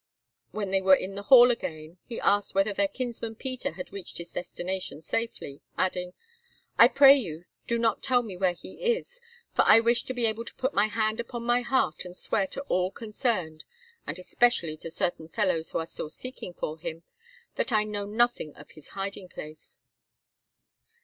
When they were in the hall again, he asked whether their kinsman Peter had reached his destination safely, adding: "I pray you, do not tell me where it is, for I wish to be able to put my hand upon my heart and swear to all concerned, and especially to certain fellows who are still seeking for him, that I know nothing of his hiding place."